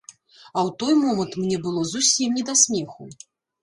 А ў той момант мне было зусім не да смеху.